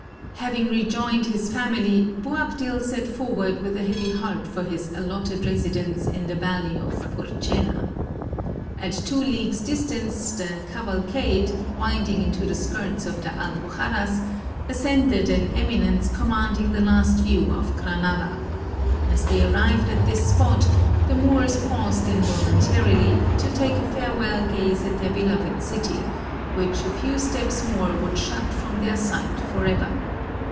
Having rejoined his family, Boabdil set forward with a heavy heart for his allotted residence in the Valley of Purchena. At two leagues' distance, the cavalcade, winding into the skirts of the Alpuxarras, ascended an eminence commanding the last view of Granada. As they arrived at this spot, the Moors paused involun tarily, to take a farewell gaze at their beloved city, which a few steps more would shut from their sight for ever.